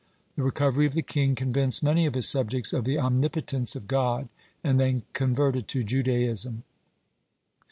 The recovery of the king convinced many of his subjects of the omnipotence of God, and they converted to Judaism.